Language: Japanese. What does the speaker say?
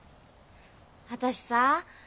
私さ。